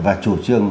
và chủ trương